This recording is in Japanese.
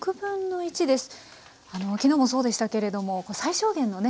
あの昨日もそうでしたけれども最小限のね